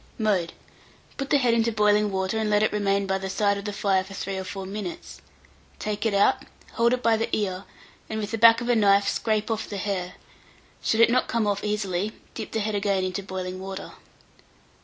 Mode. Put the head into boiling water, and let it remain by the side of the fire for 3 or 4 minutes; take it out, hold it by the ear, and with the back of a knife, scrape off the hair (should it not come off easily, dip the head again into boiling water).